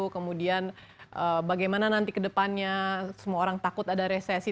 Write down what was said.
kemudian bagaimana nanti kedepannya semua orang takut ada resesi